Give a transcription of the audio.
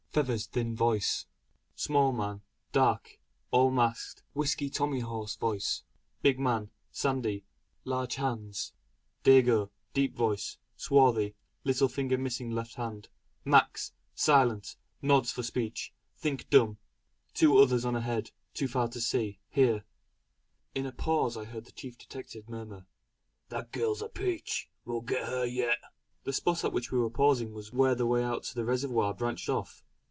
Feathers thin voice, small man, dark all masked Whisky Tommy hoarse voice, big man, sandy, large hands Dago, deep voice, swarthy, little finger missing left hand Max, silent, nods for speech, think dumb two others on ahead too far see, hear." In a pause I heard the chief detective murmur: "That girl's a peach. We'll get her yet!" The spot at which we were pausing was where the way to the reservoir branched off.